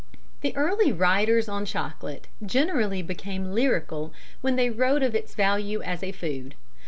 The early writers on chocolate generally became lyrical when they wrote of its value as a food.